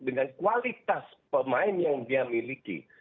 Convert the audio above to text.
dengan kualitas pemain yang dia miliki